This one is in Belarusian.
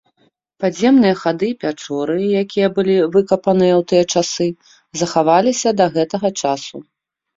Падземныя хады і пячоры, якія былі выкапаныя ў тыя часы, захаваліся да гэтага часу.